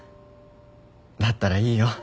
だったらいいよ。